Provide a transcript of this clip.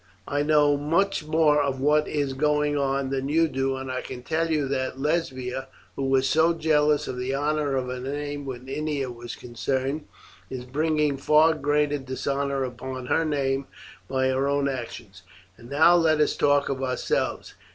I know much more of what is going on than you do, and I can tell you that Lesbia, who was so jealous of the honour of her name when Ennia was concerned, is bringing far greater dishonour upon her name by her own actions. And now let us talk of ourselves.